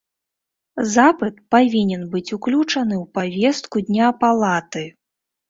Запыт павінен быць уключаны ў павестку дня палаты.